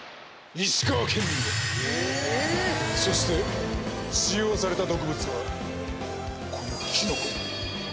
そして使用された毒物はこの。